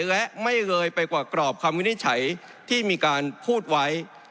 และไม่เลยไปกว่ากรอบคำวินิจฉัยที่มีการพูดไว้